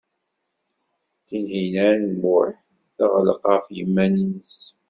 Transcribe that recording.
Tinhinan u Muḥ teɣleq ɣef yiman-nnes.